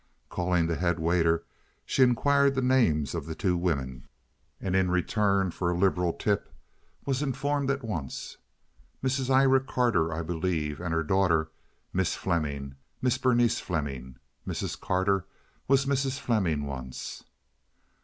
Calling the head waiter, she inquired the names of the two women, and in return for a liberal tip was informed at once. "Mrs. Ira Carter, I believe, and her daughter, Miss Fleming, Miss Berenice Fleming. Mrs. Carter was Mrs. Fleming once."